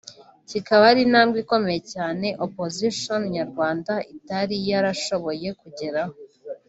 kikaba ari intambwe ikomeye cyane “opposition” nyarwanda itari yarashoboye kugeraho